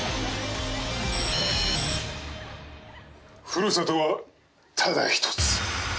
ふるさとはただ一つ。